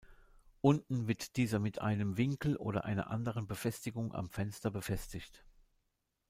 Unten wird dieser mit einem Winkel oder einer anderen Befestigung am Fenster befestigt.